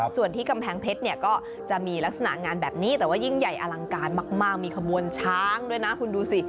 ส่วนที่กำแพงเพชรเนี่ยก็จะมีลักษณะงานแบบนี้แต่ว่ายิ่งใหญ่อลังการมากมีขบวนช้างด้วยนะคุณดูสิ